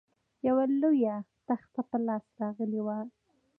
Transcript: یوه لویه تخته په لاس راغلې وه.